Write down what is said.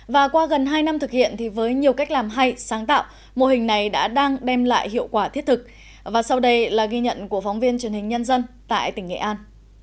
và qua gần hai năm thực hiện thì với nhiều cách làm hay sáng tạo mô hình này đã đang đem lại hiệu quả thiết thực và sau đây là ghi nhận của phóng viên truyền hình nhân dân tại tỉnh nghệ an